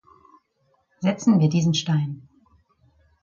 Setzen wir diesen Stein.